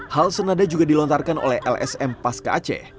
hal senada juga dilontarkan oleh lsm pas kace